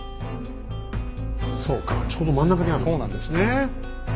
そうかちょうど真ん中にあるということですね。